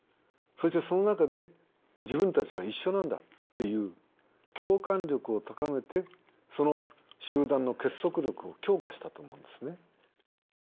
そしてその中で「自分たちは一緒なんだ」っていう共感力を高めてその集団の結束力を強化したと思うんですね。